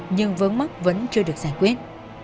nhưng vớn mắt vẫn chưa được giải quyết